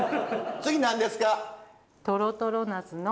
次何ですか？